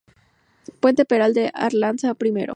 Puente Peral de Arlanza I